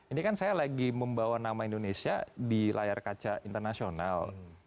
ini kan saya lagi membawa nama indonesia di layar kaca internasional